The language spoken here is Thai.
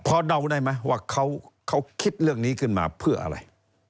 พอเดาได้ไหมว่าเขาคิดเรื่องนี้ขึ้นมาเพื่ออะไร